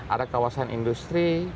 ada kawasan industri